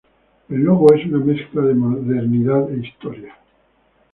El logo es una mezcla de modernidad e historia.